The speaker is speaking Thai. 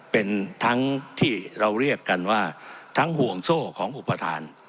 เป็นทั้งที่เราเรียกกันว่าทั้งห่วงโซ่ของอุปทาน